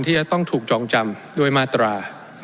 ที่จะต้องถูกจองจำด้วยมาตรา